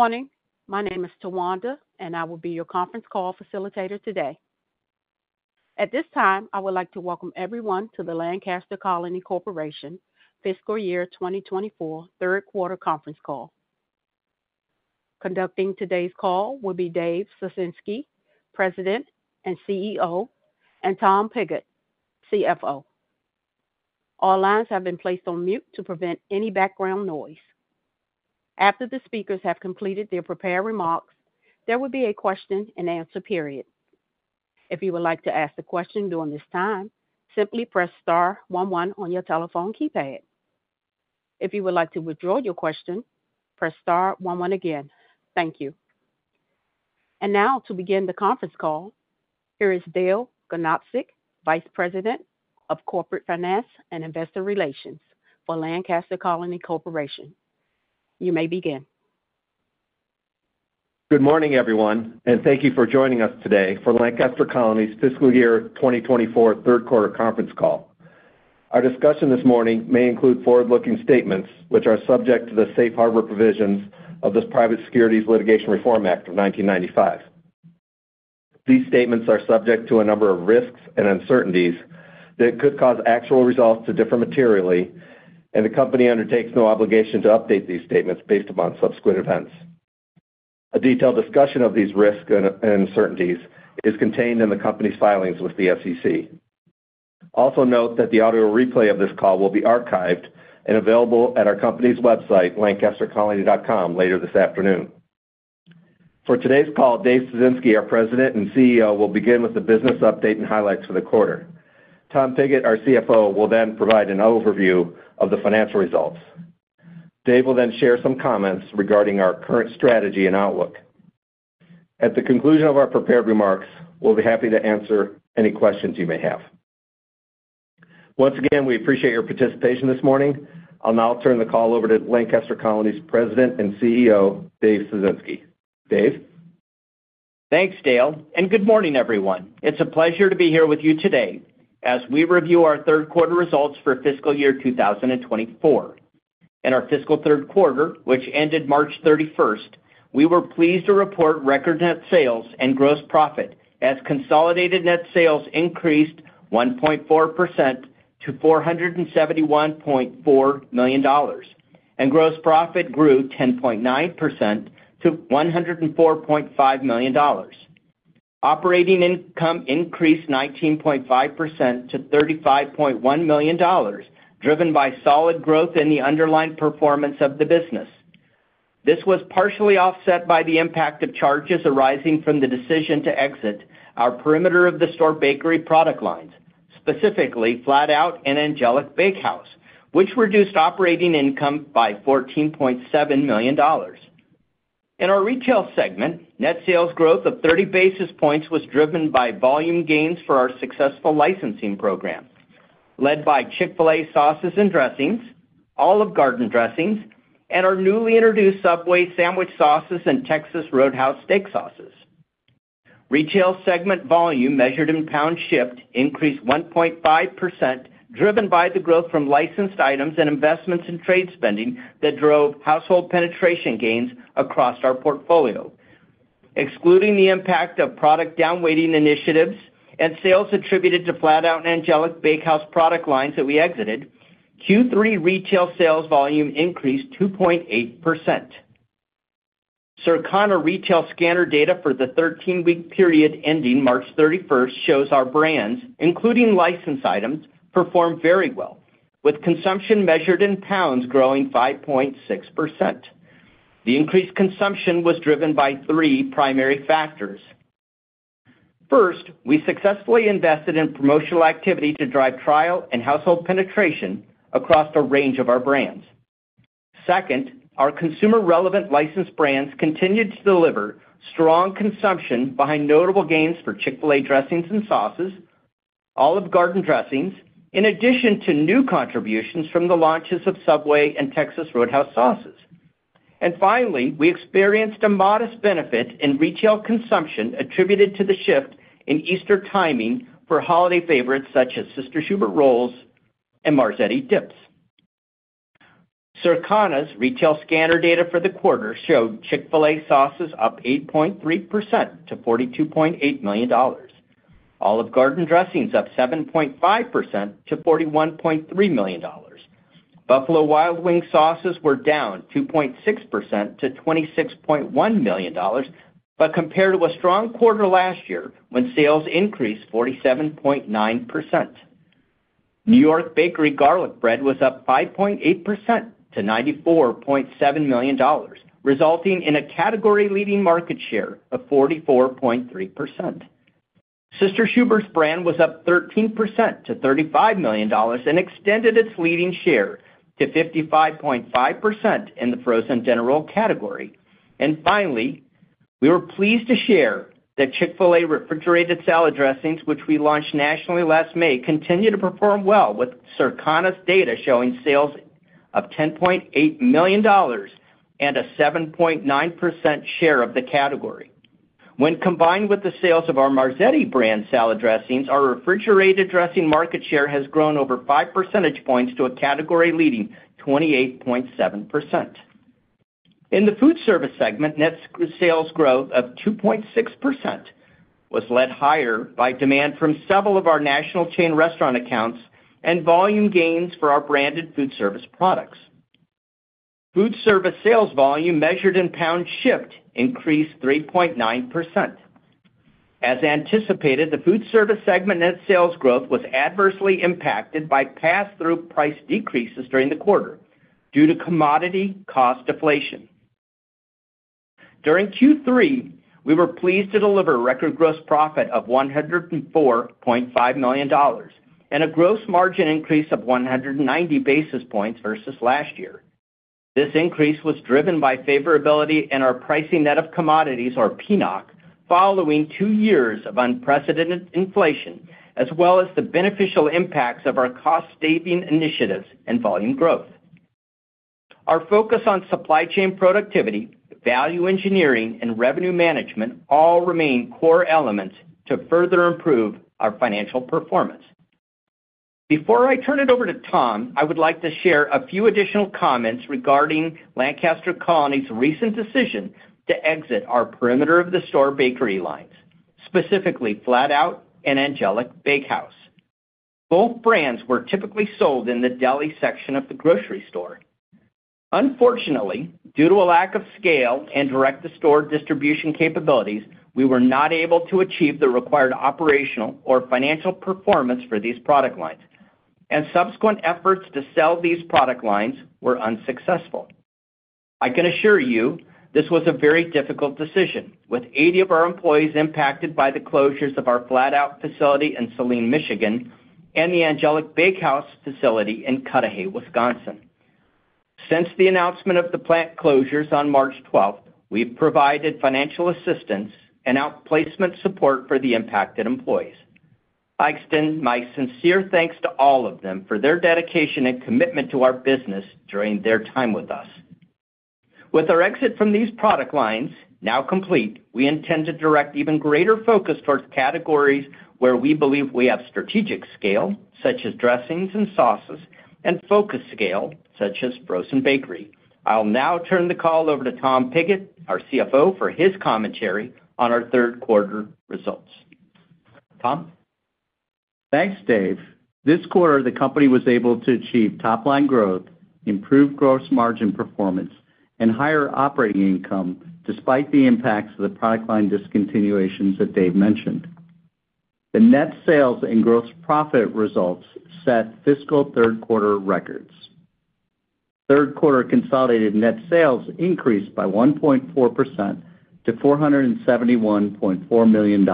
Good morning. My name is Tawanda, and I will be your conference call facilitator today. At this time, I would like to welcome everyone to the Lancaster Colony Corporation Fiscal Year 2024 Third Quarter Conference Call. Conducting today's call will be Dave Ciesinski, President and CEO, and Tom Pigott, CFO. All lines have been placed on mute to prevent any background noise. After the speakers have completed their prepared remarks, there will be a question-and-answer period. If you would like to ask a question during this time, simply press star one one on your telephone keypad. If you would like to withdraw your question, press star one one again. Thank you. And now, to begin the conference call, here is Dale Ganobsik, Vice President of Corporate Finance and Investor Relations for Lancaster Colony Corporation. You may begin. Good morning, everyone, and thank you for joining us today for Lancaster Colony's Fiscal Year 2024 Third Quarter Conference Call. Our discussion this morning may include forward-looking statements which are subject to the Safe Harbor provisions of the Private Securities Litigation Reform Act of 1995. These statements are subject to a number of risks and uncertainties that could cause actual results to differ materially, and the company undertakes no obligation to update these statements based upon subsequent events. A detailed discussion of these risks and uncertainties is contained in the company's filings with the SEC. Also note that the audio replay of this call will be archived and available at our company's website, lancastercolony.com, later this afternoon. For today's call, Dave Ciesinski, our President and CEO, will begin with the business update and highlights for the quarter. Tom Pigott, our CFO, will then provide an overview of the financial results. Dave will then share some comments regarding our current strategy and outlook. At the conclusion of our prepared remarks, we'll be happy to answer any questions you may have. Once again, we appreciate your participation this morning. I'll now turn the call over to Lancaster Colony's President and CEO, Dave Ciesinski. Dave? Thanks, Dale, and good morning, everyone. It's a pleasure to be here with you today as we review our third quarter results for fiscal year 2024. In our fiscal third quarter, which ended March 31st, we were pleased to report record net sales and gross profit as consolidated net sales increased 1.4% to $471.4 million, and gross profit grew 10.9% to $104.5 million. Operating income increased 19.5% to $35.1 million, driven by solid growth in the underlying performance of the business. This was partially offset by the impact of charges arising from the decision to exit our perimeter of the store bakery product lines, specifically Flatout and Angelic Bakehouse, which reduced operating income by $14.7 million. In our retail segment, net sales growth of 30 basis points was driven by volume gains for our successful licensing program, led by Chick-fil-A sauces and dressings, Olive Garden dressings, and our newly introduced Subway sandwich sauces and Texas Roadhouse steak sauces. Retail segment volume measured in pounds shipped increased 1.5%, driven by the growth from licensed items and investments in trade spending that drove household penetration gains across our portfolio. Excluding the impact of product downweighting initiatives and sales attributed to Flatout and Angelic Bakehouse product lines that we exited, Q3 retail sales volume increased 2.8%. Circana Retail Scanner data for the 13-week period ending March 31st shows our brands, including licensed items, performed very well, with consumption measured in pounds growing 5.6%. The increased consumption was driven by three primary factors. First, we successfully invested in promotional activity to drive trial and household penetration across a range of our brands. Second, our consumer-relevant licensed brands continued to deliver strong consumption behind notable gains for Chick-fil-A dressings and sauces, Olive Garden dressings, in addition to new contributions from the launches of Subway and Texas Roadhouse sauces. And finally, we experienced a modest benefit in retail consumption attributed to the shift in Easter timing for holiday favorites such as Sister Schubert's rolls and Marzetti dips. Circana's Retail Scanner data for the quarter showed Chick-fil-A sauces up 8.3% to $42.8 million, Olive Garden dressings up 7.5% to $41.3 million, Buffalo Wild Wings sauces were down 2.6% to $26.1 million but compared to a strong quarter last year when sales increased 47.9%. New York Bakery garlic bread was up 5.8% to $94.7 million, resulting in a category-leading market share of 44.3%. Sister Schubert's brand was up 13% to $35 million and extended its leading share to 55.5% in the frozen dinner roll category. Finally, we were pleased to share that Chick-fil-A refrigerated salad dressings, which we launched nationally last May, continue to perform well, with Circana's data showing sales of $10.8 million and a 7.9% share of the category. When combined with the sales of our Marzetti brand salad dressings, our refrigerated dressing market share has grown over five percentage points to a category-leading 28.7%. In the food service segment, net sales growth of 2.6% was led higher by demand from several of our national chain restaurant accounts and volume gains for our branded food service products. Food service sales volume measured in pounds shipped increased 3.9%. As anticipated, the food service segment net sales growth was adversely impacted by pass-through price decreases during the quarter due to commodity cost deflation. During Q3, we were pleased to deliver record gross profit of $104.5 million and a gross margin increase of 190 basis points versus last year. This increase was driven by favorability in our pricing net of commodities, our PNOC, following two years of unprecedented inflation, as well as the beneficial impacts of our cost-saving initiatives and volume growth. Our focus on supply chain productivity, value engineering, and revenue management all remain core elements to further improve our financial performance. Before I turn it over to Tom, I would like to share a few additional comments regarding Lancaster Colony's recent decision to exit our perimeter of the store bakery lines, specifically Flatout and Angelic Bakehouse. Both brands were typically sold in the deli section of the grocery store. Unfortunately, due to a lack of scale and direct-to-store distribution capabilities, we were not able to achieve the required operational or financial performance for these product lines, and subsequent efforts to sell these product lines were unsuccessful. I can assure you this was a very difficult decision, with 80 of our employees impacted by the closures of our Flatout facility in Saline, Michigan, and the Angelic Bakehouse facility in Cudahy, Wisconsin. Since the announcement of the plant closures on March 12th, we've provided financial assistance and outplacement support for the impacted employees. I extend my sincere thanks to all of them for their dedication and commitment to our business during their time with us. With our exit from these product lines now complete, we intend to direct even greater focus towards categories where we believe we have strategic scale, such as dressings and sauces, and focused scale, such as frozen bakery. I'll now turn the call over to Tom Pigott, our CFO, for his commentary on our third quarter results. Tom? Thanks, Dave. This quarter, the company was able to achieve top-line growth, improved gross margin performance, and higher operating income despite the impacts of the product line discontinuations that Dave mentioned. The net sales and gross profit results set fiscal third quarter records. Third quarter consolidated net sales increased by 1.4% to $471.4 million.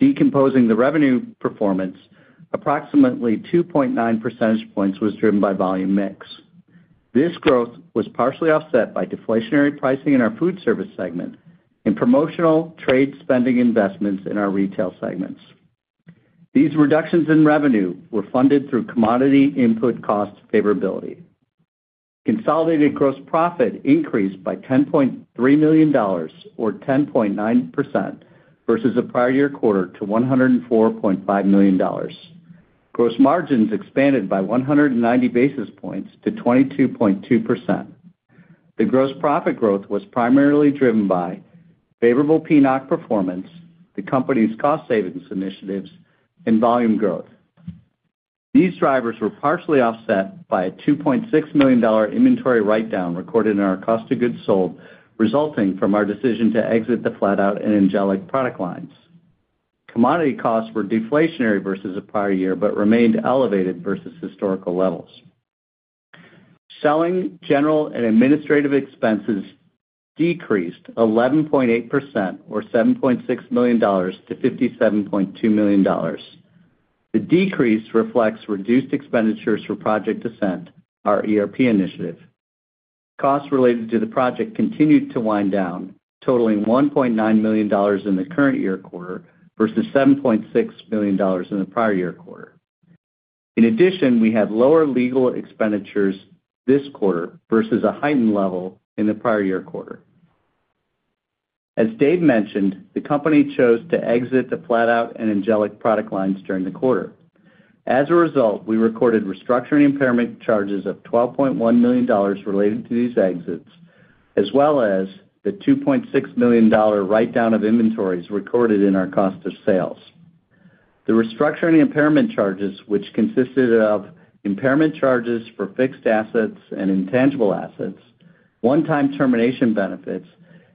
Decomposing the revenue performance, approximately 2.9 percentage points was driven by volume mix. This growth was partially offset by deflationary pricing in our food service segment and promotional trade spending investments in our retail segments. These reductions in revenue were funded through commodity input cost favorability. Consolidated gross profit increased by $10.3 million, or 10.9%, versus a prior-year quarter to $104.5 million. Gross margins expanded by 190 basis points to 22.2%. The gross profit growth was primarily driven by favorable PNOC performance, the company's cost-savings initiatives, and volume growth. These drivers were partially offset by a $2.6 million inventory write-down recorded in our cost of goods sold, resulting from our decision to exit the Flatout and Angelic product lines. Commodity costs were deflationary versus a prior year but remained elevated versus historical levels. Selling general and administrative expenses decreased 11.8%, or $7.6 million, to $57.2 million. The decrease reflects reduced expenditures for Project Ascent, our ERP initiative. Costs related to the project continued to wind down, totaling $1.9 million in the current year quarter versus $7.6 million in the prior year quarter. In addition, we had lower legal expenditures this quarter versus a heightened level in the prior year quarter. As Dave mentioned, the company chose to exit the Flatout and Angelic product lines during the quarter. As a result, we recorded restructuring impairment charges of $12.1 million related to these exits, as well as the $2.6 million write-down of inventories recorded in our cost of sales. The restructuring impairment charges, which consisted of impairment charges for fixed assets and intangible assets, one-time termination benefits,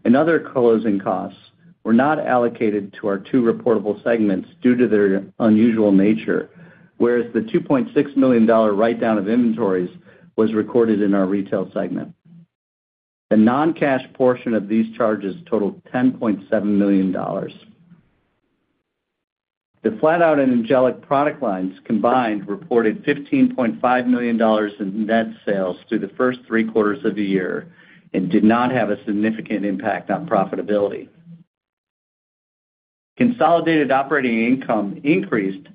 and other closing costs, were not allocated to our two reportable segments due to their unusual nature, whereas the $2.6 million write-down of inventories was recorded in our retail segment. The non-cash portion of these charges totaled $10.7 million. The Flatout and Angelic product lines combined reported $15.5 million in net sales through the first three quarters of the year and did not have a significant impact on profitability. Consolidated operating income increased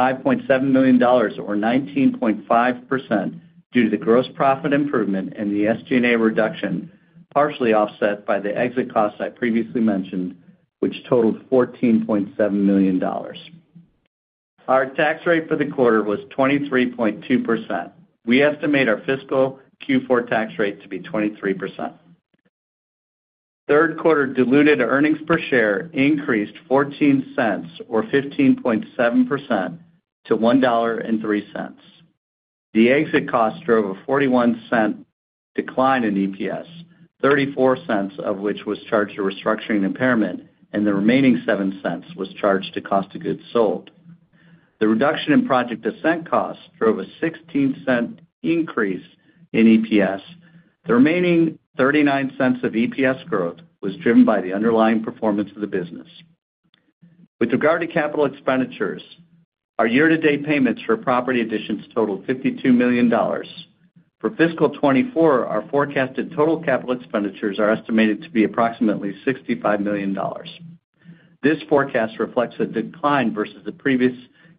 $5.7 million, or 19.5%, due to the gross profit improvement and the SG&A reduction, partially offset by the exit costs I previously mentioned, which totaled $14.7 million. Our tax rate for the quarter was 23.2%. We estimate our fiscal Q4 tax rate to be 23%. Third quarter diluted earnings per share increased $0.14, or 15.7%, to $1.03. The exit costs drove a $0.41 decline in EPS, $0.34 of which was charged to restructuring impairment, and the remaining $0.07 was charged to cost of goods sold. The reduction in Project Ascent costs drove a $0.16 increase in EPS. The remaining $0.39 of EPS growth was driven by the underlying performance of the business. With regard to capital expenditures, our year-to-date payments for property additions totaled $52 million. For fiscal 2024, our forecasted total capital expenditures are estimated to be approximately $65 million. This forecast reflects a decline versus the previous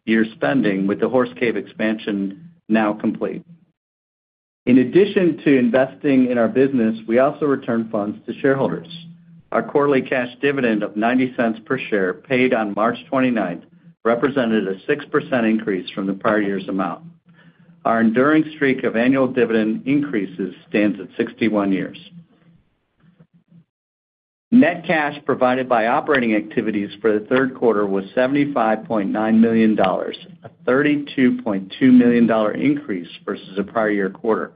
year's spending, with the Horse Cave expansion now complete. In addition to investing in our business, we also return funds to shareholders. Our quarterly cash dividend of $0.90 per share paid on March 29th represented a 6% increase from the prior year's amount. Our enduring streak of annual dividend increases stands at 61 years. Net cash provided by operating activities for the third quarter was $75.9 million, a $32.2 million increase versus a prior-year quarter.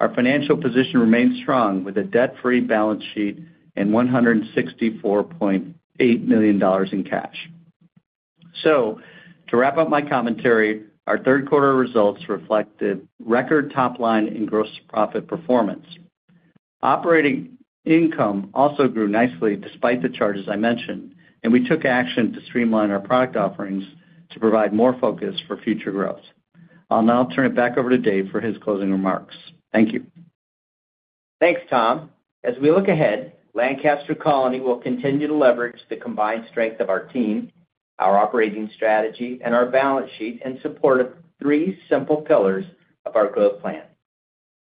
Our financial position remains strong, with a debt-free balance sheet and $164.8 million in cash. So to wrap up my commentary, our third quarter results reflected record top-line in gross profit performance. Operating income also grew nicely despite the charges I mentioned, and we took action to streamline our product offerings to provide more focus for future growth. I'll now turn it back over to Dave for his closing remarks. Thank you. Thanks, Tom. As we look ahead, Lancaster Colony will continue to leverage the combined strength of our team, our operating strategy, and our balance sheet in support of three simple pillars of our growth plan.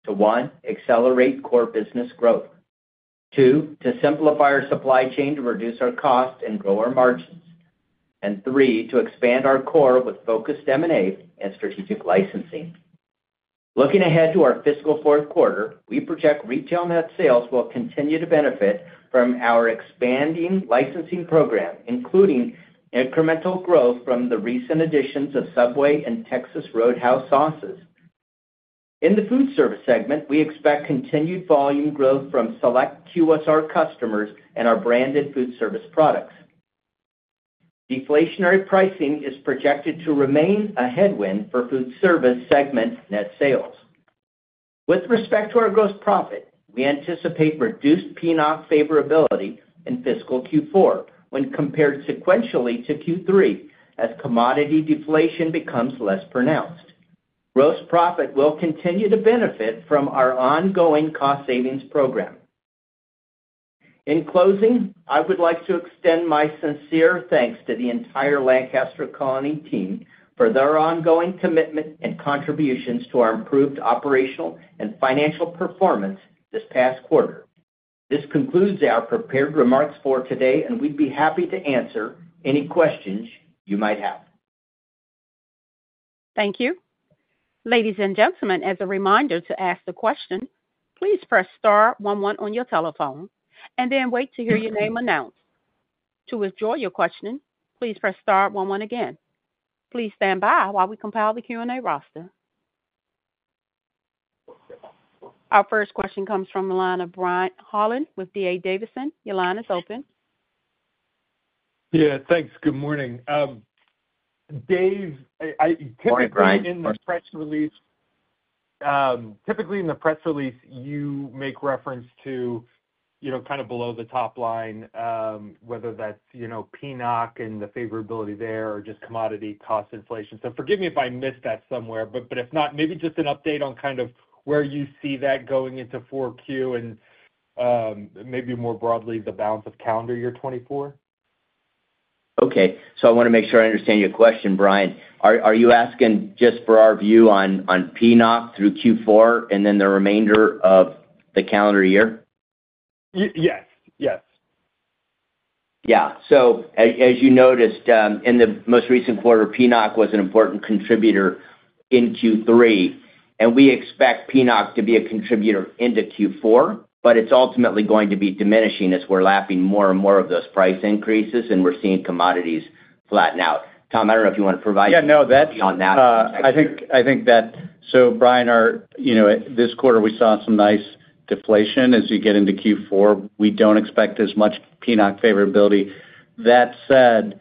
To one, accelerate core business growth. Two, to simplify our supply chain to reduce our costs and grow our margins. And three, to expand our core with focused M&A and strategic licensing. Looking ahead to our fiscal fourth quarter, we project retail net sales will continue to benefit from our expanding licensing program, including incremental growth from the recent additions of Subway and Texas Roadhouse sauces. In the food service segment, we expect continued volume growth from select QSR customers and our branded food service products. Deflationary pricing is projected to remain a headwind for food service segment net sales. With respect to our gross profit, we anticipate reduced PNOC favorability in fiscal Q4 when compared sequentially to Q3 as commodity deflation becomes less pronounced. Gross profit will continue to benefit from our ongoing cost-savings program. In closing, I would like to extend my sincere thanks to the entire Lancaster Colony team for their ongoing commitment and contributions to our improved operational and financial performance this past quarter. This concludes our prepared remarks for today, and we'd be happy to answer any questions you might have. Thank you. Ladies and gentlemen, as a reminder to ask the question, please press star one one on your telephone and then wait to hear your name announced. To withdraw your question, please press star one one again. Please stand by while we compile the Q&A roster. Our first question comes from Brian Holland with D.A. Davidson. Brian's open. Yeah. Thanks. Good morning. Dave, typically in the press release, you make reference to kind of below the top line, whether that's PNOC and the favorability there or just commodity cost inflation. So forgive me if I missed that somewhere, but if not, maybe just an update on kind of where you see that going into 4Q and maybe more broadly the balance of calendar year 2024. Okay. So I want to make sure I understand your question, Brian. Are you asking just for our view on PNOC through Q4 and then the remainder of the calendar year? Yes. Yes. Yeah. So as you noticed, in the most recent quarter, PNOC was an important contributor in Q3, and we expect PNOC to be a contributor into Q4, but it's ultimately going to be diminishing as we're lapping more and more of those price increases and we're seeing commodities flatten out. Tom, I don't know if you want to provide anything beyond that. Yeah. No. I think that so Brian, this quarter, we saw some nice deflation. As you get into Q4, we don't expect as much PNOC favorability. That said,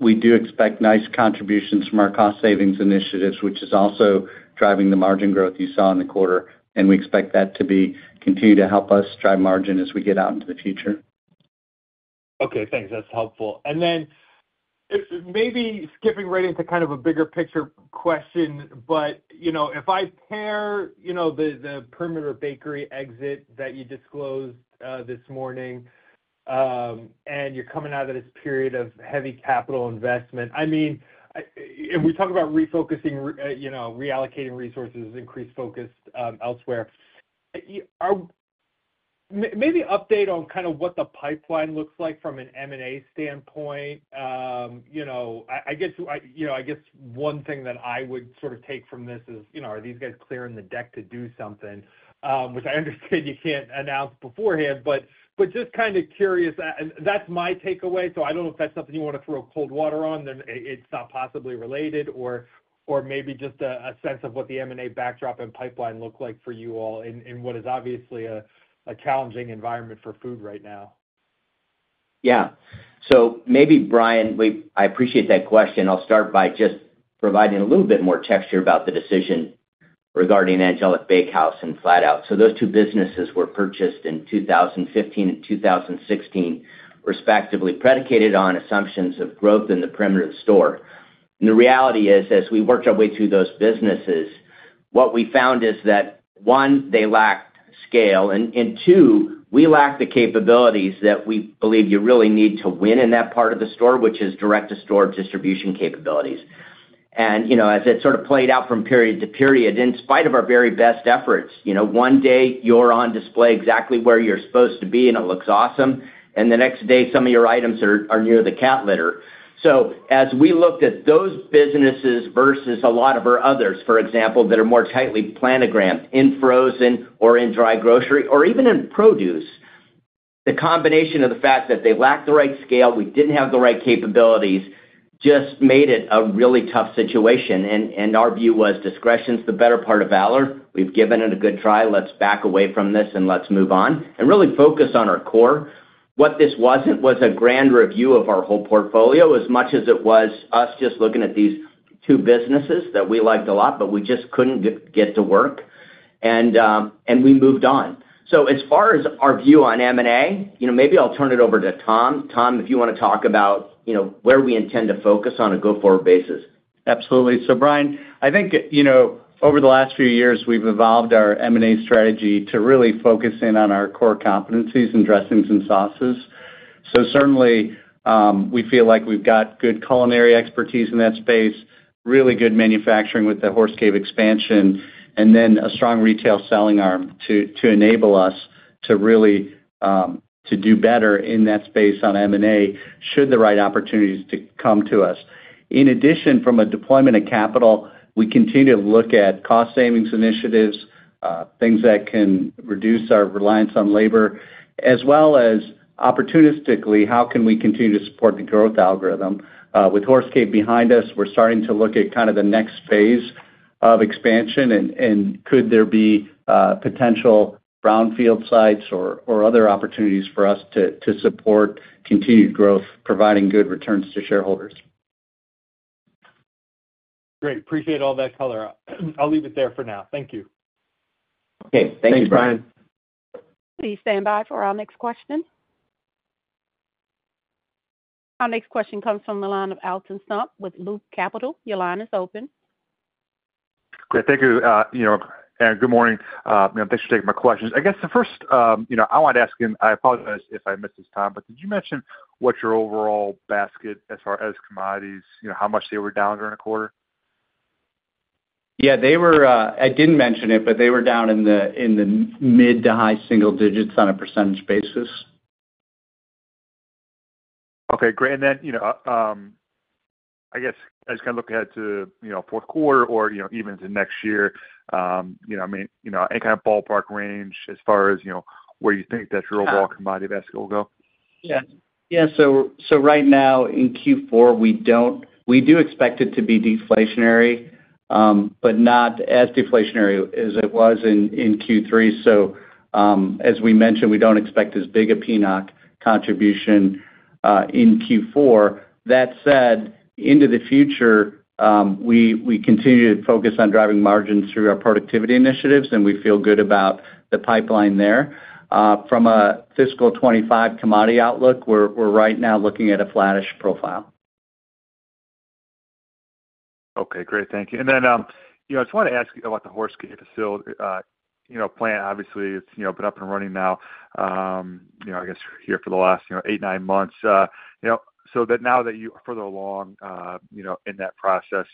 we do expect nice contributions from our cost-savings initiatives, which is also driving the margin growth you saw in the quarter, and we expect that to continue to help us drive margin as we get out into the future. Okay. Thanks. That's helpful. And then maybe skipping right into kind of a bigger picture question, but if I pair the perimeter bakery exit that you disclosed this morning and you're coming out of this period of heavy capital investment I mean, and we talk about refocusing, reallocating resources, increased focus elsewhere. Maybe update on kind of what the pipeline looks like from an M&A standpoint. I guess one thing that I would sort of take from this is, are these guys clear in the deck to do something, which I understand you can't announce beforehand, but just kind of curious. That's my takeaway. So I don't know if that's something you want to throw cold water on. It's not possibly related, or maybe just a sense of what the M&A backdrop and pipeline look like for you all in what is obviously a challenging environment for food right now. Yeah. So maybe, Brian, I appreciate that question. I'll start by just providing a little bit more texture about the decision regarding Angelic Bakehouse and Flatout. So those two businesses were purchased in 2015 and 2016, respectively, predicated on assumptions of growth in the perimeter of the store. And the reality is, as we worked our way through those businesses, what we found is that, one, they lacked scale, and two, we lacked the capabilities that we believe you really need to win in that part of the store, which is direct-to-store distribution capabilities. And as it sort of played out from period to period, in spite of our very best efforts, one day, you're on display exactly where you're supposed to be, and it looks awesome. And the next day, some of your items are near the cat litter. So as we looked at those businesses versus a lot of our others, for example, that are more tightly planogrammed, in frozen or in dry grocery or even in produce, the combination of the fact that they lacked the right scale, we didn't have the right capabilities, just made it a really tough situation. Our view was, discretion's the better part of valor. We've given it a good try. Let's back away from this, and let's move on and really focus on our core. What this wasn't was a grand review of our whole portfolio as much as it was us just looking at these two businesses that we liked a lot, but we just couldn't get to work, and we moved on. So as far as our view on M&A, maybe I'll turn it over to Tom. Tom, if you want to talk about where we intend to focus on a go-forward basis. Absolutely. So Brian, I think over the last few years, we've evolved our M&A strategy to really focus in on our core competencies and dressings and sauces. So certainly, we feel like we've got good culinary expertise in that space, really good manufacturing with the Horse Cave expansion, and then a strong retail selling arm to enable us to really do better in that space on M&A should the right opportunities come to us. In addition, from a deployment of capital, we continue to look at cost-savings initiatives, things that can reduce our reliance on labor, as well as opportunistically, how can we continue to support the growth algorithm. With Horse Cave behind us, we're starting to look at kind of the next phase of expansion, and could there be potential brownfield sites or other opportunities for us to support continued growth, providing good returns to shareholders. Great. Appreciate all that color. I'll leave it there for now. Thank you. Okay. Thank you, Brian. Thanks, Brian. Please stand by for our next question. Our next question comes from Alton Stump with Loop Capital. Your line is open. Great. Thank you, Aaron. Good morning. Thanks for taking my questions. I guess the first I wanted to ask you and I apologize if I missed this time, but did you mention what your overall basket as far as commodities, how much they were down during the quarter? Yeah. I didn't mention it, but they were down in the mid to high single digits on a percentage basis. Okay. Great. And then I guess I was going to look ahead to fourth quarter or even into next year. I mean, any kind of ballpark range as far as where you think that your overall commodity basket will go? Yeah. Yeah. So right now, in Q4, we do expect it to be deflationary, but not as deflationary as it was in Q3. So as we mentioned, we don't expect as big a PNOC contribution in Q4. That said, into the future, we continue to focus on driving margins through our productivity initiatives, and we feel good about the pipeline there. From a fiscal 2025 commodity outlook, we're right now looking at a flattish profile. Okay. Great. Thank you. And then I just wanted to ask you about the Horse Cave facility plant. Obviously, it's been up and running now, I guess, here for the last 8, 9 months. So now that you are further along in that process,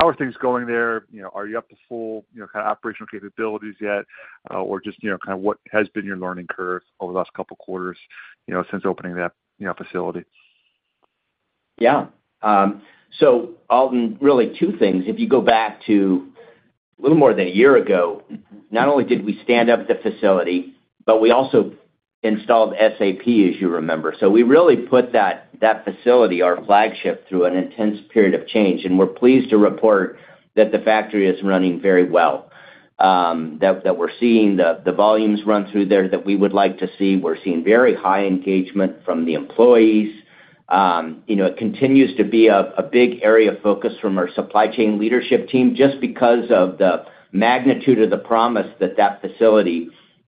how are things going there? Are you up to full kind of operational capabilities yet, or just kind of what has been your learning curve over the last couple of quarters since opening that facility? Yeah. So Alton, really, two things. If you go back to a little more than a year ago, not only did we stand up the facility, but we also installed SAP, as you remember. So we really put that facility, our flagship, through an intense period of change, and we're pleased to report that the factory is running very well, that we're seeing the volumes run through there that we would like to see. We're seeing very high engagement from the employees. It continues to be a big area of focus from our supply chain leadership team just because of the magnitude of the promise that that facility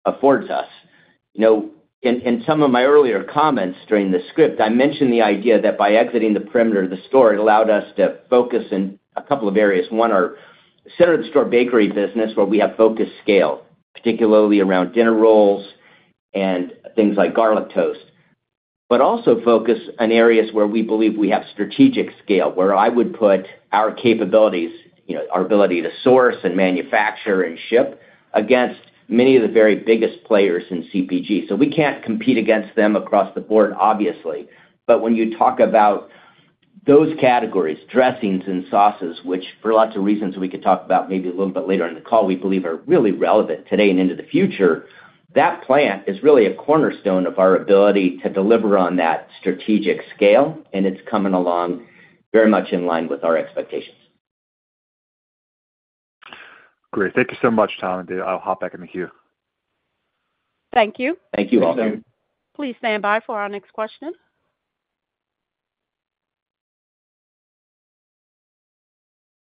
affords us. In some of my earlier comments during the script, I mentioned the idea that by exiting the perimeter of the store, it allowed us to focus in a couple of areas. 1, our center-of-the-store bakery business, where we have focused scale, particularly around dinner rolls and things like garlic toast, but also focus in areas where we believe we have strategic scale, where I would put our capabilities, our ability to source and manufacture and ship against many of the very biggest players in CPG. So we can't compete against them across the board, obviously. But when you talk about those categories, dressings and sauces, which for lots of reasons we could talk about maybe a little bit later in the call, we believe are really relevant today and into the future, that plant is really a cornerstone of our ability to deliver on that strategic scale, and it's coming along very much in line with our expectations. Great. Thank you so much, Tom and Dave. I'll hop back in the queue. Thank you. Thank you, Alton. Please stand by for our next question.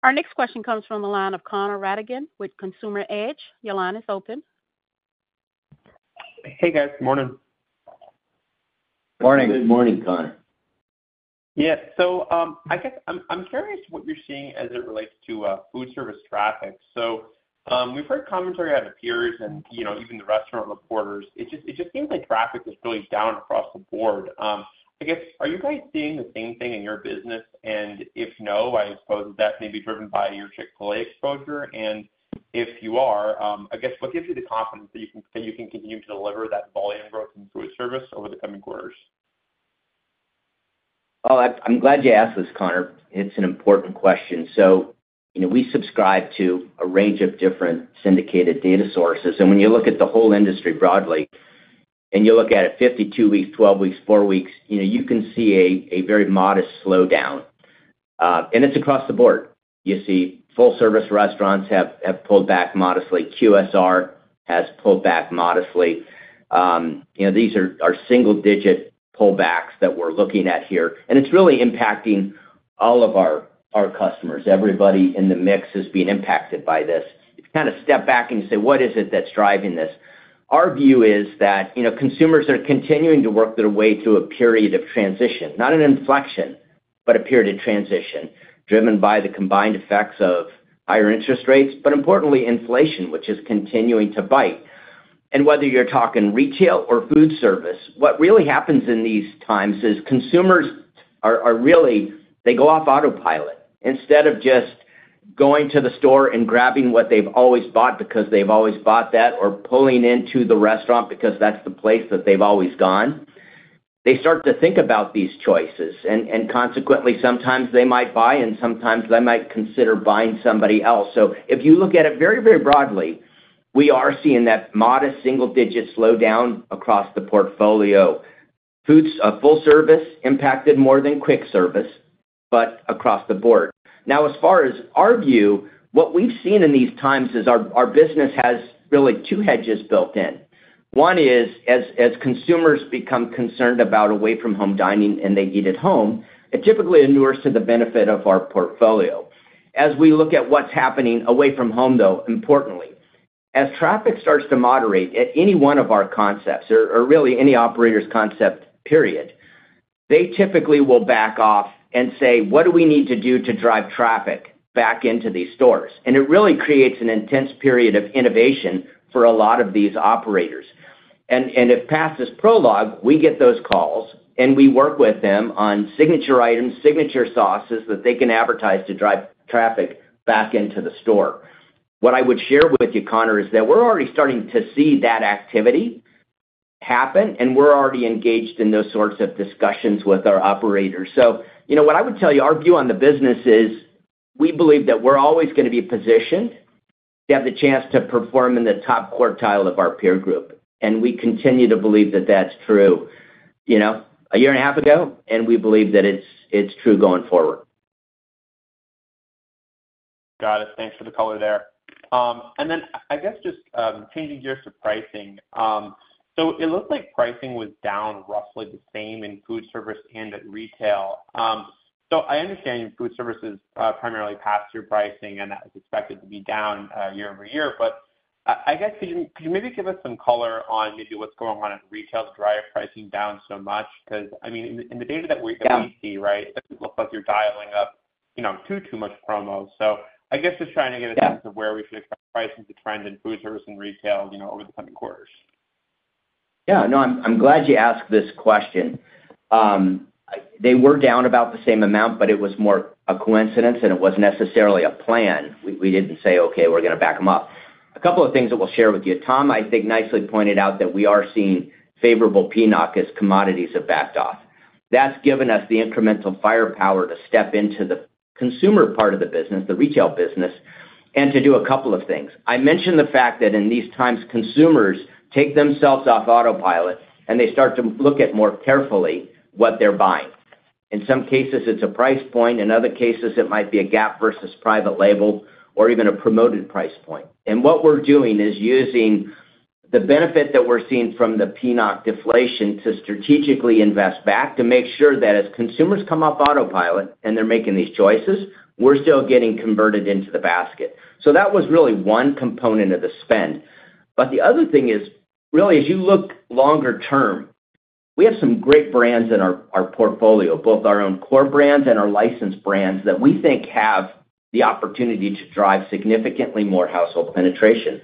Our next question comes from Connor Rattigan with Consumer Edge. Your line is open. Hey, guys. Good morning. Morning. Good morning, Connor. Yeah. So I guess I'm curious what you're seeing as it relates to food service traffic. So we've heard commentary out of peers and even the restaurant reporters. It just seems like traffic is really down across the board. I guess, are you guys seeing the same thing in your business? And if no, I suppose is that maybe driven by your Chick-fil-A exposure? And if you are, I guess, what gives you the confidence that you can continue to deliver that volume growth in food service over the coming quarters? Well, I'm glad you asked this, Connor. It's an important question. So we subscribe to a range of different syndicated data sources. And when you look at the whole industry broadly, and you look at it 52 weeks, 12 weeks, four weeks, you can see a very modest slowdown. And it's across the board. You see full-service restaurants have pulled back modestly. QSR has pulled back modestly. These are single-digit pullbacks that we're looking at here. And it's really impacting all of our customers. Everybody in the mix is being impacted by this. If you kind of step back and you say, "What is it that's driving this?" our view is that consumers are continuing to work their way through a period of transition, not an inflection, but a period of transition driven by the combined effects of higher interest rates, but importantly, inflation, which is continuing to bite. Whether you're talking retail or food service, what really happens in these times is consumers are really—they go off autopilot. Instead of just going to the store and grabbing what they've always bought because they've always bought that or pulling into the restaurant because that's the place that they've always gone, they start to think about these choices. And consequently, sometimes they might buy, and sometimes they might consider buying somebody else. So if you look at it very, very broadly, we are seeing that modest single-digit slowdown across the portfolio. Full-service impacted more than quick service, but across the board. Now, as far as our view, what we've seen in these times is our business has really two hedges built in. One is, as consumers become concerned about away-from-home dining and they eat at home, it typically adheres to the benefit of our portfolio. As we look at what's happening away from home, though, importantly, as traffic starts to moderate at any one of our concepts or really any operator's concept, period, they typically will back off and say, "What do we need to do to drive traffic back into these stores?" It really creates an intense period of innovation for a lot of these operators. If past is prologue, we get those calls, and we work with them on signature items, signature sauces that they can advertise to drive traffic back into the store. What I would share with you, Connor, is that we're already starting to see that activity happen, and we're already engaged in those sorts of discussions with our operators. What I would tell you, our view on the business is we believe that we're always going to be positioned to have the chance to perform in the top quartile of our peer group. We continue to believe that that's true a year and a half ago, and we believe that it's true going forward. Got it. Thanks for the color there. And then I guess just changing gears to pricing. So it looked like pricing was down roughly the same in food service and at retail. So I understand food service is primarily past-year pricing, and that was expected to be down year over year. But I guess, could you maybe give us some color on maybe what's going on at retail to drive pricing down so much? Because I mean, in the data that we see, right, it doesn't look like you're dialing up too, too much promo. So I guess just trying to get a sense of where we should expect pricing to trend in food service and retail over the coming quarters. Yeah. No, I'm glad you asked this question. They were down about the same amount, but it was more a coincidence, and it wasn't necessarily a plan. We didn't say, "Okay, we're going to back them up." A couple of things that we'll share with you. Tom, I think, nicely pointed out that we are seeing favorable PNOC as commodities have backed off. That's given us the incremental firepower to step into the consumer part of the business, the retail business, and to do a couple of things. I mentioned the fact that in these times, consumers take themselves off autopilot, and they start to look at more carefully what they're buying. In some cases, it's a price point. In other cases, it might be a gap versus private label or even a promoted price point. And what we're doing is using the benefit that we're seeing from the PNOC deflation to strategically invest back to make sure that as consumers come off autopilot and they're making these choices, we're still getting converted into the basket. So that was really one component of the spend. But the other thing is, really, as you look longer term, we have some great brands in our portfolio, both our own core brands and our licensed brands, that we think have the opportunity to drive significantly more household penetration.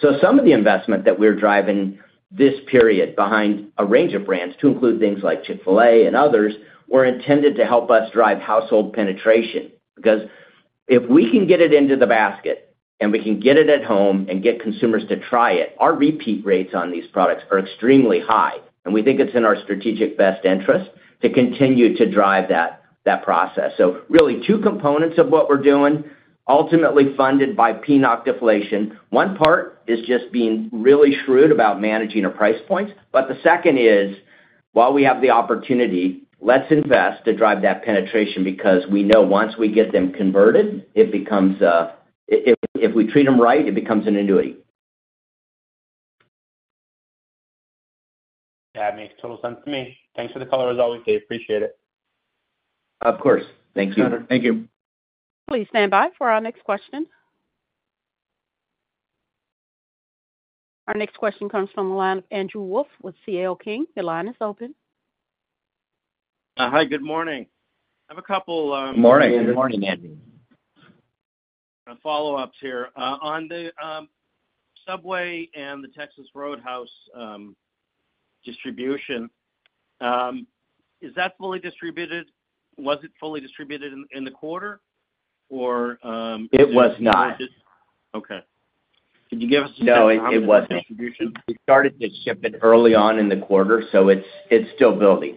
So some of the investment that we're driving this period behind a range of brands, to include things like Chick-fil-A and others, were intended to help us drive household penetration. Because if we can get it into the basket and we can get it at home and get consumers to try it, our repeat rates on these products are extremely high. We think it's in our strategic best interest to continue to drive that process. Really, two components of what we're doing, ultimately funded by PNOC deflation. One part is just being really shrewd about managing our price points. The second is, while we have the opportunity, let's invest to drive that penetration because we know once we get them converted, it becomes a if we treat them right, it becomes an annuity. Yeah. It makes total sense to me. Thanks for the color, as always. I appreciate it. Of course. Thank you. Connor, thank you. Please stand by for our next question. Our next question comes from Andrew Wolf with C.L. King. Andrew's open. Hi. Good morning. I have a couple. Morning. Good morning, Andrew. Follow-ups here. On the Subway and the Texas Roadhouse distribution, is that fully distributed? Was it fully distributed in the quarter, or? It was not. Okay. Could you give us a sense of how the distribution? No, it wasn't. We started to ship it early on in the quarter, so it's still building.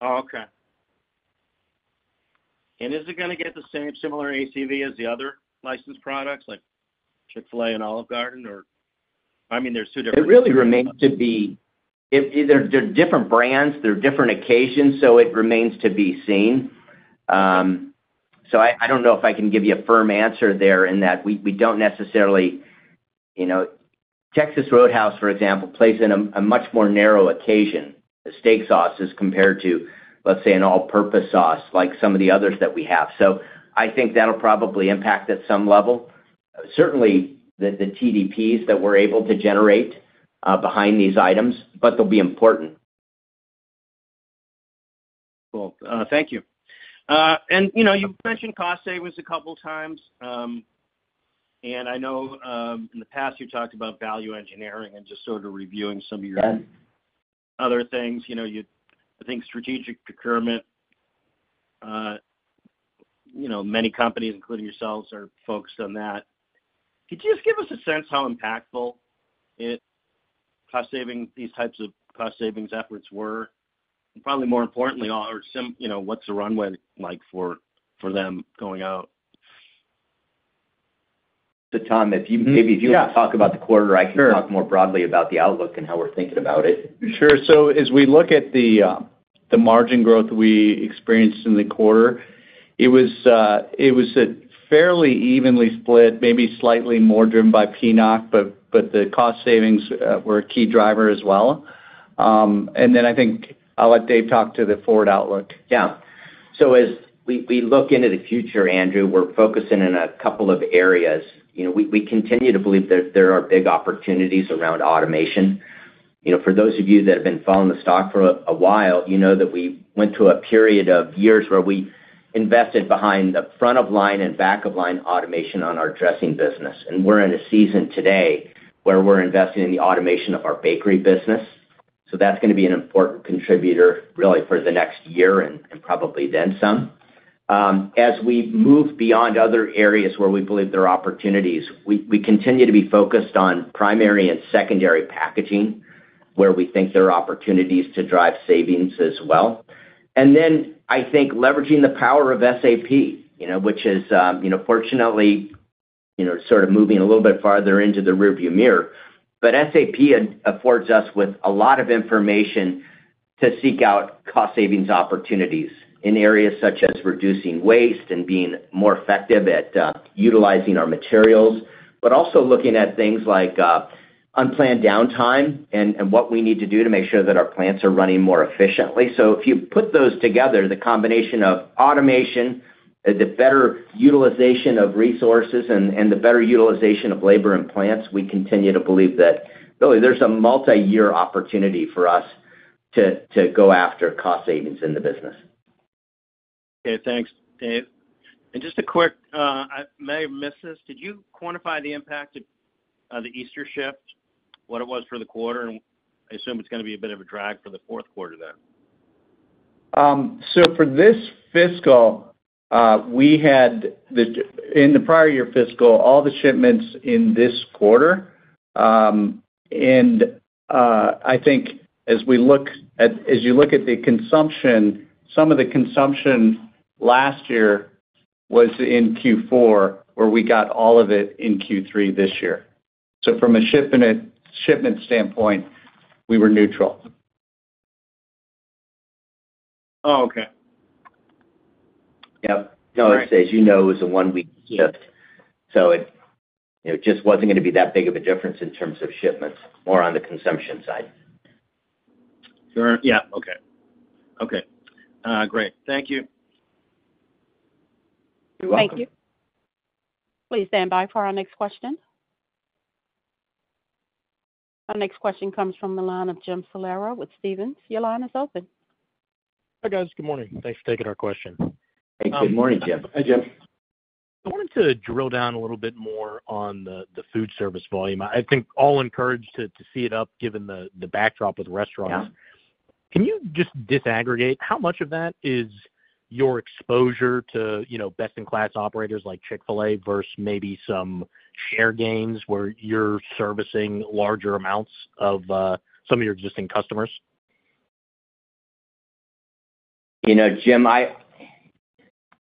Oh, okay. And is it going to get the same similar ACV as the other licensed products like Chick-fil-A and Olive Garden, or? I mean, there's two different. It really remains to be seen. They're different brands. They're different occasions, so it remains to be seen. So I don't know if I can give you a firm answer there in that we don't necessarily Texas Roadhouse, for example, plays in a much more narrow occasion, the steak sauce, as compared to, let's say, an all-purpose sauce like some of the others that we have. So I think that'll probably impact at some level, certainly the TDPs that we're able to generate behind these items, but they'll be important. Cool. Thank you. You mentioned COGS a couple of times. I know in the past, you talked about value engineering and just sort of reviewing some of your other things. I think strategic procurement, many companies, including yourselves, are focused on that. Could you just give us a sense how impactful these types of cost-savings efforts were? And probably more importantly, what's the runway like for them going out? Tom, maybe if you want to talk about the quarter, I can talk more broadly about the outlook and how we're thinking about it. Sure. So as we look at the margin growth we experienced in the quarter, it was a fairly evenly split, maybe slightly more driven by PNOC, but the cost savings were a key driver as well. And then I think I'll let Dave talk to the forward outlook. Yeah. So as we look into the future, Andrew, we're focusing in a couple of areas. We continue to believe there are big opportunities around automation. For those of you that have been following the stock for a while, you know that we went through a period of years where we invested behind the front-of-line and back-of-line automation on our dressing business. And we're in a season today where we're investing in the automation of our bakery business. So that's going to be an important contributor, really, for the next year and probably then some. As we move beyond other areas where we believe there are opportunities, we continue to be focused on primary and secondary packaging, where we think there are opportunities to drive savings as well. Then I think leveraging the power of SAP, which is fortunately sort of moving a little bit farther into the rearview mirror. But SAP affords us with a lot of information to seek out cost-savings opportunities in areas such as reducing waste and being more effective at utilizing our materials, but also looking at things like unplanned downtime and what we need to do to make sure that our plants are running more efficiently. So if you put those together, the combination of automation, the better utilization of resources, and the better utilization of labor and plants, we continue to believe that, really, there's a multi-year opportunity for us to go after cost savings in the business. Okay. Thanks, Dave. And just a quick, I may have missed this. Did you quantify the impact of the Easter shift, what it was for the quarter? And I assume it's going to be a bit of a drag for the fourth quarter then. For this fiscal, we had in the prior year fiscal, all the shipments in this quarter. I think as you look at the consumption, some of the consumption last year was in Q4, where we got all of it in Q3 this year. From a shipment standpoint, we were neutral. Oh, okay. Yep. No, it's, as you know, it was a one-week shift. So it just wasn't going to be that big of a difference in terms of shipments, more on the consumption side. Sure. Yeah. Okay. Okay. Great. Thank you. You're welcome. Thank you. Please stand by for our next question. Our next question comes from the line of Jim Salera with Stephens. Your line is open. Hi guys. Good morning. Thanks for taking our question. Hey. Good morning, Jim. Hi, Jim. I wanted to drill down a little bit more on the food service volume. I think all encouraged to see it up given the backdrop with restaurants. Can you just disaggregate how much of that is your exposure to best-in-class operators like Chick-fil-A versus maybe some share gains where you're servicing larger amounts of some of your existing customers? Jim, I'm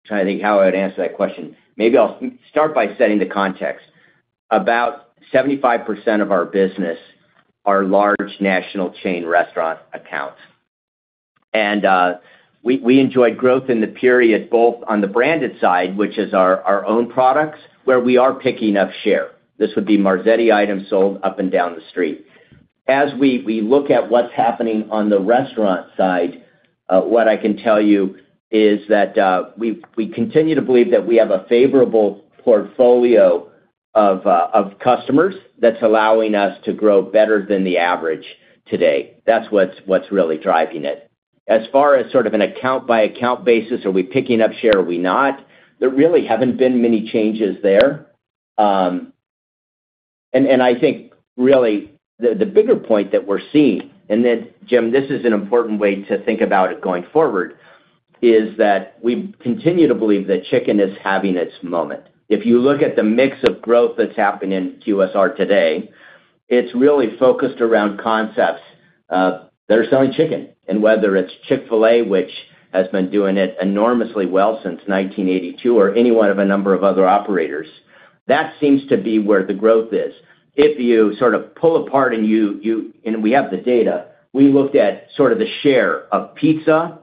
trying to think how I would answer that question. Maybe I'll start by setting the context. About 75% of our business are large national-chain restaurant accounts. We enjoyed growth in the period both on the branded side, which is our own products, where we are picking up share. This would be Marzetti items sold up and down the street. As we look at what's happening on the restaurant side, what I can tell you is that we continue to believe that we have a favorable portfolio of customers that's allowing us to grow better than the average today. That's what's really driving it. As far as sort of an account-by-account basis, are we picking up share or are we not? There really haven't been many changes there. I think, really, the bigger point that we're seeing and then, Jim, this is an important way to think about it going forward, is that we continue to believe that chicken is having its moment. If you look at the mix of growth that's happening in QSR today, it's really focused around concepts that are selling chicken. And whether it's Chick-fil-A, which has been doing it enormously well since 1982, or any one of a number of other operators, that seems to be where the growth is. If you sort of pull apart and you and we have the data. We looked at sort of the share of pizza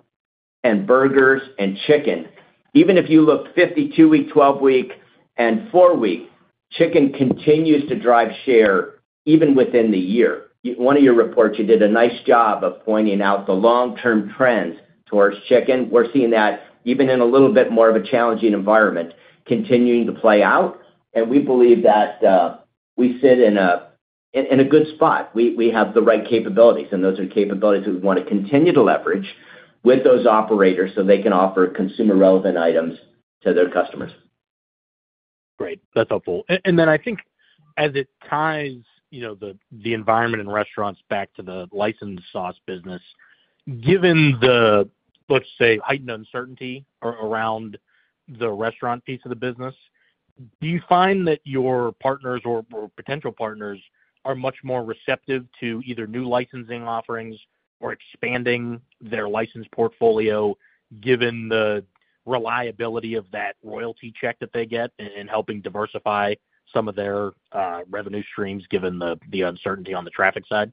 and burgers and chicken. Even if you look 52-week, 12-week, and four week, chicken continues to drive share even within the year. One of your reports, you did a nice job of pointing out the long-term trends towards chicken. We're seeing that even in a little bit more of a challenging environment continuing to play out. We believe that we sit in a good spot. We have the right capabilities. Those are capabilities that we want to continue to leverage with those operators so they can offer consumer-relevant items to their customers. Great. That's helpful. And then I think as it ties the environment and restaurants back to the licensed sauce business, given the, let's say, heightened uncertainty around the restaurant piece of the business, do you find that your partners or potential partners are much more receptive to either new licensing offerings or expanding their license portfolio given the reliability of that royalty check that they get in helping diversify some of their revenue streams given the uncertainty on the traffic side?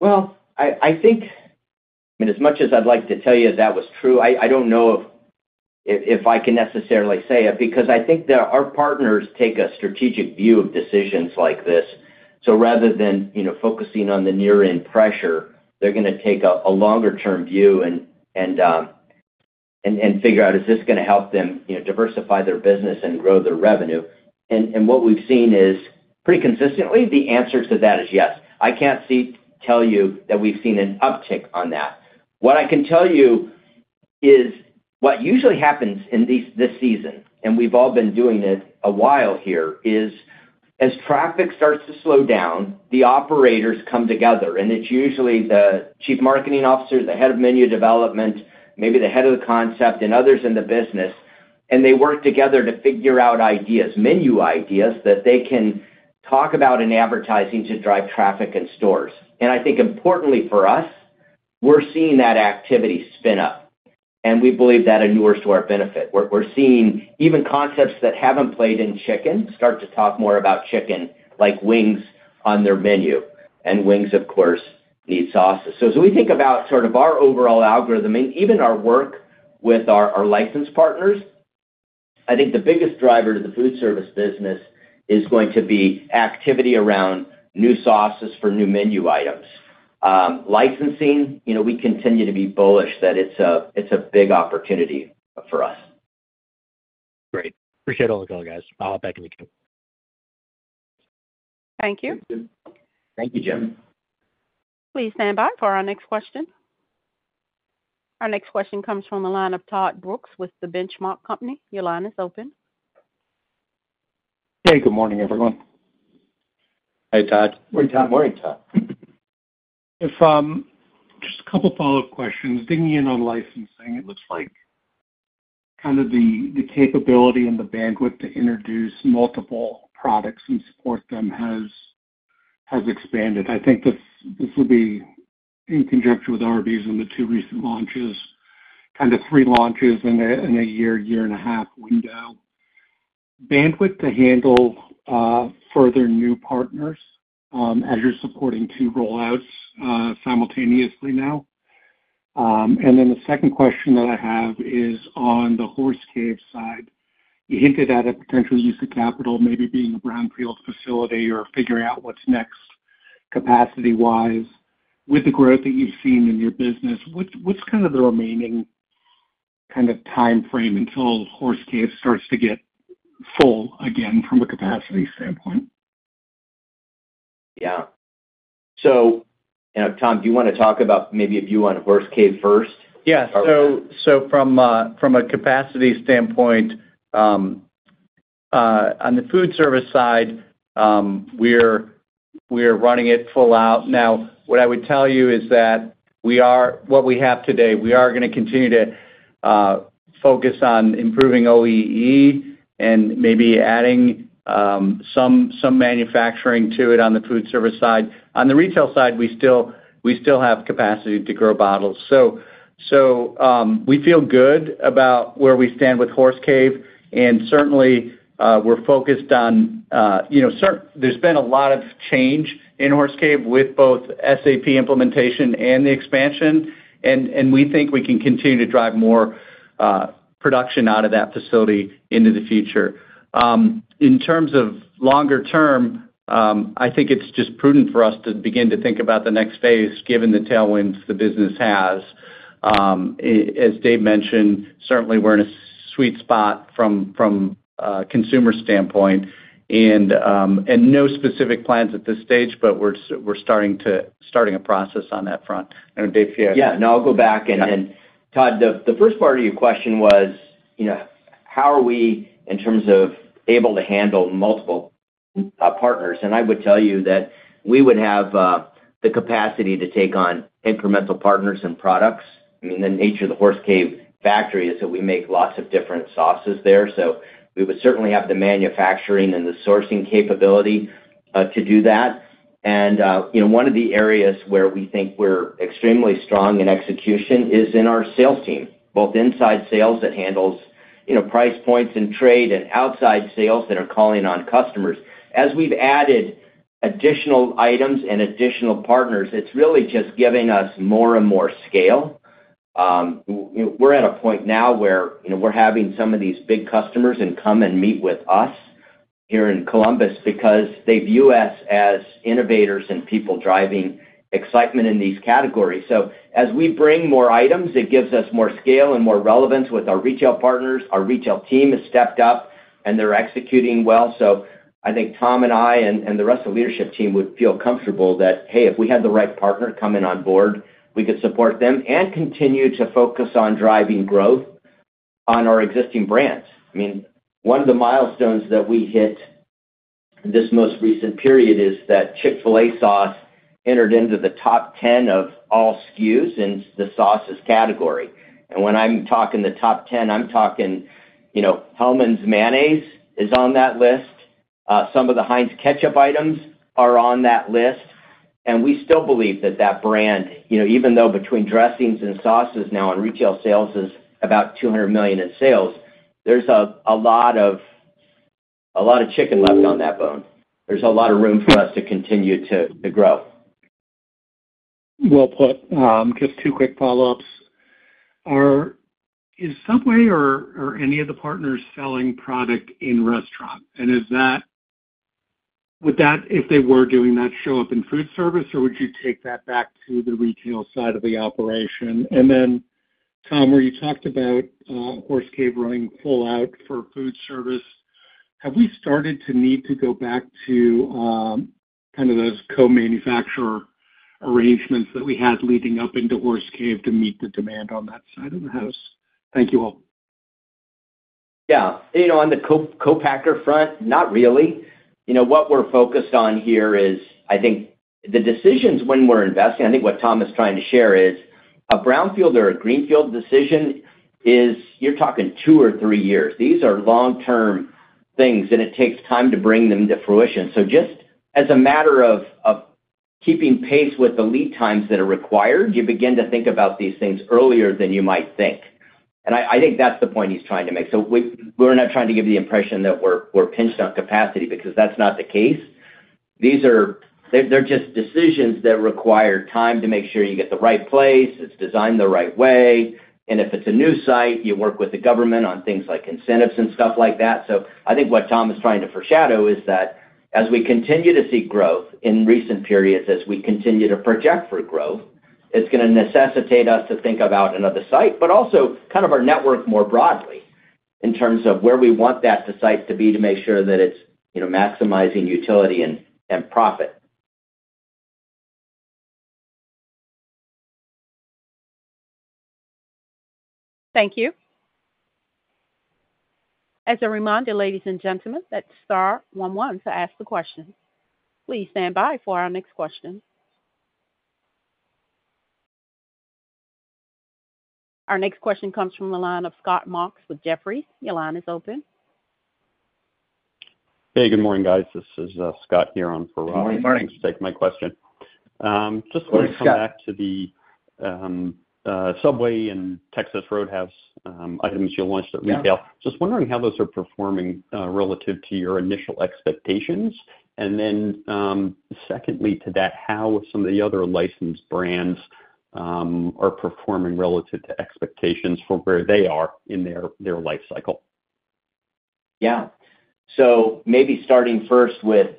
Well, I mean, as much as I'd like to tell you that that was true, I don't know if I can necessarily say it because I think our partners take a strategic view of decisions like this. So rather than focusing on the near-end pressure, they're going to take a longer-term view and figure out, "Is this going to help them diversify their business and grow their revenue?" And what we've seen is, pretty consistently, the answer to that is yes. I can't tell you that we've seen an uptick on that. What I can tell you is what usually happens in this season, and we've all been doing it a while here, is as traffic starts to slow down, the operators come together. And it's usually the chief marketing officer, the head of menu development, maybe the head of the concept, and others in the business. They work together to figure out ideas, menu ideas, that they can talk about in advertising to drive traffic in stores. And I think, importantly for us, we're seeing that activity spin up. And we believe that inures to our benefit. We're seeing even concepts that haven't played in chicken start to talk more about chicken like wings on their menu. And wings, of course, need sauces. So as we think about sort of our overall algorithm and even our work with our licensed partners, I think the biggest driver to the food service business is going to be activity around new sauces for new menu items. Licensing, we continue to be bullish that it's a big opportunity for us. Great. Appreciate all the call, guys. I'll hop back into camp. Thank you. Thank you, Jim. Please stand by for our next question. Our next question comes from the line of Todd Brooks with The Benchmark Company. Your line is open. Hey. Good morning, everyone. Hey, Todd. Morning, Tom. Morning, Todd. Just a couple of follow-up questions. Digging in on licensing, it looks like kind of the capability and the bandwidth to introduce multiple products and support them has expanded. I think this will be in conjunction with Arby's and the two recent launches, kind of three launches in a year, year and a half window. Bandwidth to handle further new partners as you're supporting two rollouts simultaneously now. And then the second question that I have is on the Horse Cave side. You hinted at a potential use of capital, maybe being a brownfield facility or figuring out what's next capacity-wise. With the growth that you've seen in your business, what's kind of the remaining kind of time frame until Horse Cave starts to get full again from a capacity standpoint? Yeah. So Tom, do you want to talk about maybe a view on Horse Cave first? Yes. So from a capacity standpoint, on the food service side, we're running it full out. Now, what I would tell you is that what we have today, we are going to continue to focus on improving OEE and maybe adding some manufacturing to it on the food service side. On the retail side, we still have capacity to grow bottles. So we feel good about where we stand with Horse Cave. And certainly, we're focused on there's been a lot of change in Horse Cave with both SAP implementation and the expansion. And we think we can continue to drive more production out of that facility into the future. In terms of longer term, I think it's just prudent for us to begin to think about the next phase given the tailwinds the business has. As Dave mentioned, certainly, we're in a sweet spot from a consumer standpoint. No specific plans at this stage, but we're starting a process on that front. I don't know, Dave, if you had anything. Yeah. No, I'll go back. And Todd, the first part of your question was, "How are we in terms of able to handle multiple partners?" And I would tell you that we would have the capacity to take on incremental partners and products. I mean, the nature of the Horse Cave factory is that we make lots of different sauces there. So we would certainly have the manufacturing and the sourcing capability to do that. And one of the areas where we think we're extremely strong in execution is in our sales team, both inside sales that handles price points and trade and outside sales that are calling on customers. As we've added additional items and additional partners, it's really just giving us more and more scale. We're at a point now where we're having some of these big customers come and meet with us here in Columbus because they view us as innovators and people driving excitement in these categories. So as we bring more items, it gives us more scale and more relevance with our retail partners. Our retail team has stepped up, and they're executing well. So I think Tom and I and the rest of the leadership team would feel comfortable that, "Hey, if we had the right partner come in on board, we could support them and continue to focus on driving growth on our existing brands." I mean, one of the milestones that we hit this most recent period is that Chick-fil-A sauce entered into the top 10 of all SKUs in the sauces category. And when I'm talking the top 10, I'm talking Hellmann's mayonnaise is on that list. Some of the Heinz ketchup items are on that list. And we still believe that that brand, even though between dressings and sauces now, and retail sales is about $200 million in sales, there's a lot of chicken left on that bone. There's a lot of room for us to continue to grow. Well put. Just two quick follow-ups. Is Subway or any of the partners selling product in restaurants? And would that, if they were doing that, show up in food service, or would you take that back to the retail side of the operation? And then, Tom, where you talked about Horse Cave running full out for food service, have we started to need to go back to kind of those co-manufacturer arrangements that we had leading up into Horse Cave to meet the demand on that side of the house? Thank you all. Yeah. On the co-packer front, not really. What we're focused on here is, I think, the decisions when we're investing. I think what Tom is trying to share is a brownfield or a greenfield decision is you're talking two or three years. These are long-term things, and it takes time to bring them to fruition. So just as a matter of keeping pace with the lead times that are required, you begin to think about these things earlier than you might think. And I think that's the point he's trying to make. So we're not trying to give the impression that we're pinched on capacity because that's not the case. They're just decisions that require time to make sure you get the right place. It's designed the right way. And if it's a new site, you work with the government on things like incentives and stuff like that. I think what Tom is trying to foreshadow is that as we continue to see growth in recent periods, as we continue to project for growth, it's going to necessitate us to think about another site but also kind of our network more broadly in terms of where we want that site to be to make sure that it's maximizing utility and profit. Thank you. As a reminder, ladies and gentlemen, that's star one one to ask the question. Please stand by for our next question. Our next question comes from the line of Scott Marks with Jefferies. Your line is open. Hey. Good morning, guys. This is Scott here from Jefferies. Good morning, morning. Just to take my question. Just wanted to come back to the Subway and Texas Roadhouse items you launched at retail. Just wondering how those are performing relative to your initial expectations. And then secondly to that, how some of the other licensed brands are performing relative to expectations for where they are in their life cycle. Yeah. So maybe starting first with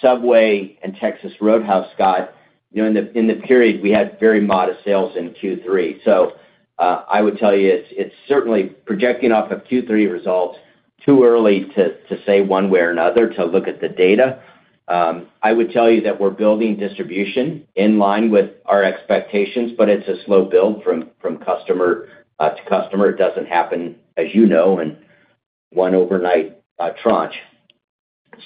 Subway and Texas Roadhouse, Scott, in the period, we had very modest sales in Q3. So I would tell you it's certainly projecting off of Q3 results too early to say one way or another to look at the data. I would tell you that we're building distribution in line with our expectations, but it's a slow build from customer to customer. It doesn't happen, as you know, in one overnight tranche.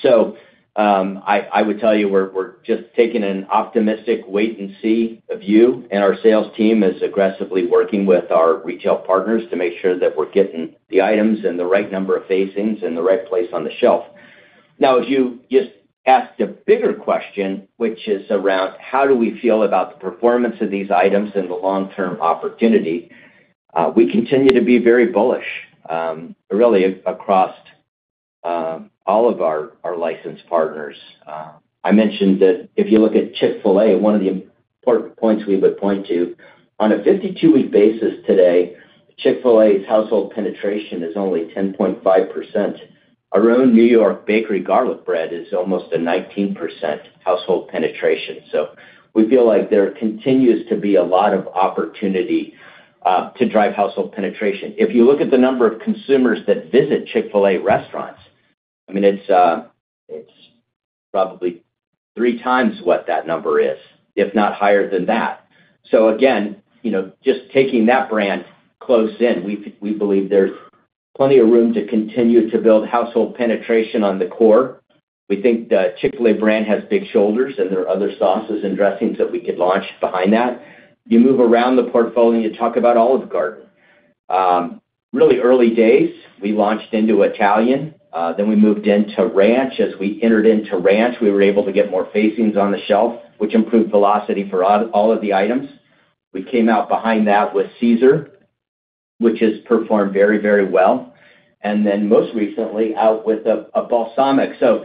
So I would tell you we're just taking an optimistic wait-and-see view. Our sales team is aggressively working with our retail partners to make sure that we're getting the items and the right number of facings and the right place on the shelf. Now, if you just ask the bigger question, which is around how do we feel about the performance of these items and the long-term opportunity, we continue to be very bullish, really, across all of our licensed partners. I mentioned that if you look at Chick-fil-A, one of the important points we would point to, on a 52-week basis today, Chick-fil-A's household penetration is only 10.5%. Our own New York Bakery garlic bread is almost 19% household penetration. So we feel like there continues to be a lot of opportunity to drive household penetration. If you look at the number of consumers that visit Chick-fil-A restaurants, I mean, it's probably three times what that number is, if not higher than that. So again, just taking that brand close in, we believe there's plenty of room to continue to build household penetration on the core. We think the Chick-fil-A brand has big shoulders, and there are other sauces and dressings that we could launch behind that. You move around the portfolio, you talk about Olive Garden. Really early days, we launched into Italian. Then we moved into ranch. As we entered into ranch, we were able to get more facings on the shelf, which improved velocity for all of the items. We came out behind that with Caesar, which has performed very, very well. And then most recently, out with a balsamic. So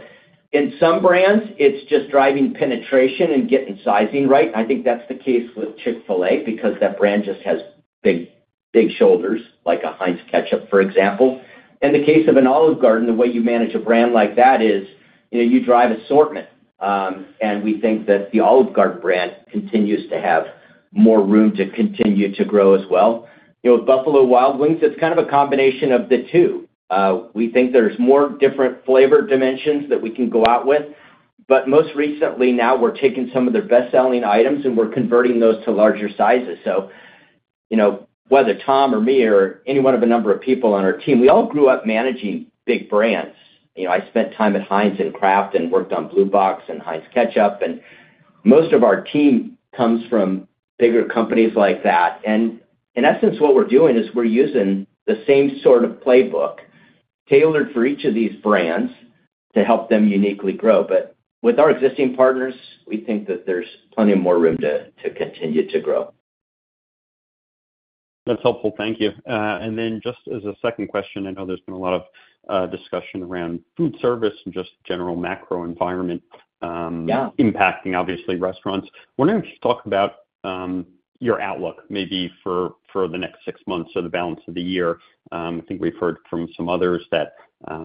in some brands, it's just driving penetration and getting sizing right. And I think that's the case with Chick-fil-A because that brand just has big shoulders like a Heinz ketchup, for example. In the case of an Olive Garden, the way you manage a brand like that is you drive assortment. We think that the Olive Garden brand continues to have more room to continue to grow as well. With Buffalo Wild Wings, it's kind of a combination of the two. We think there's more different flavor dimensions that we can go out with. But most recently now, we're taking some of their best-selling items, and we're converting those to larger sizes. So whether Tom or me or any one of a number of people on our team, we all grew up managing big brands. I spent time at Heinz and Kraft and worked on Blue Box and Heinz ketchup. And most of our team comes from bigger companies like that. And in essence, what we're doing is we're using the same sort of playbook tailored for each of these brands to help them uniquely grow. With our existing partners, we think that there's plenty of more room to continue to grow. That's helpful. Thank you. And then just as a second question, I know there's been a lot of discussion around food service and just general macro environment impacting, obviously, restaurants. Wondering if you could talk about your outlook maybe for the next six months or the balance of the year. I think we've heard from some others that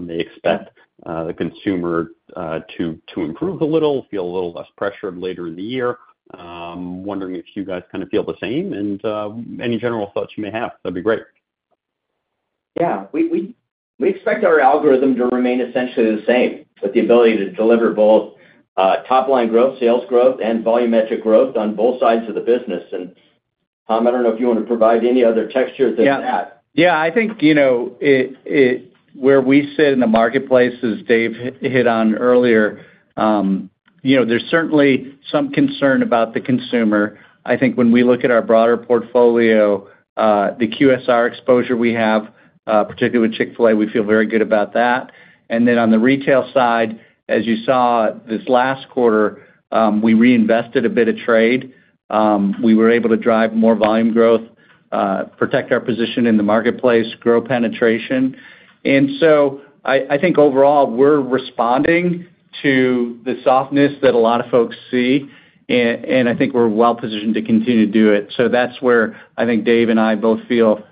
they expect the consumer to improve a little, feel a little less pressured later in the year. Wondering if you guys kind of feel the same and any general thoughts you may have. That'd be great. Yeah. We expect our algorithm to remain essentially the same with the ability to deliver both top-line growth, sales growth, and volumetric growth on both sides of the business. And Tom, I don't know if you want to provide any other texture than that. Yeah. Yeah. I think where we sit in the marketplace as Dave hit on earlier, there's certainly some concern about the consumer. I think when we look at our broader portfolio, the QSR exposure we have, particularly with Chick-fil-A, we feel very good about that. And then on the retail side, as you saw this last quarter, we reinvested a bit of trade. We were able to drive more volume growth, protect our position in the marketplace, grow penetration. And so I think overall, we're responding to the softness that a lot of folks see. And I think we're well-positioned to continue to do it. So that's where I think Dave and I both feel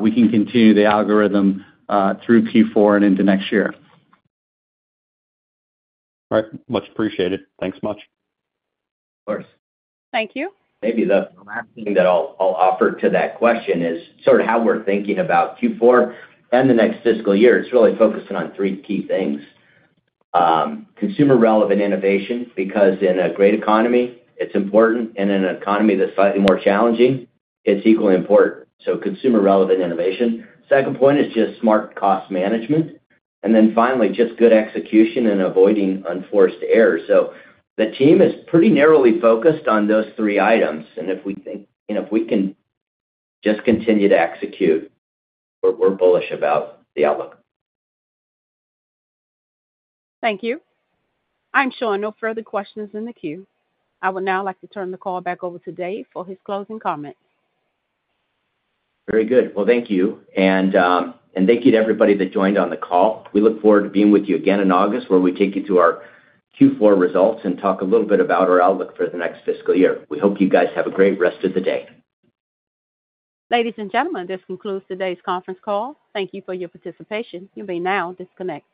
we can continue the algorithm through Q4 and into next year. All right. Much appreciated. Thanks much. Of course. Thank you. Maybe the last thing that I'll offer to that question is sort of how we're thinking about Q4 and the next fiscal year. It's really focusing on three key things: consumer-relevant innovation because in a great economy, it's important. And in an economy that's slightly more challenging, it's equally important. So consumer-relevant innovation. Second point is just smart cost management. And then finally, just good execution and avoiding unforced errors. So the team is pretty narrowly focused on those three items. And if we think we can just continue to execute, we're bullish about the outlook. Thank you. I'm showing no further questions in the queue. I would now like to turn the call back over to Dave for his closing comments. Very good. Well, thank you. Thank you to everybody that joined on the call. We look forward to being with you again in August where we take you through our Q4 results and talk a little bit about our outlook for the next fiscal year. We hope you guys have a great rest of the day. Ladies and gentlemen, this concludes today's conference call. Thank you for your participation. You may now disconnect.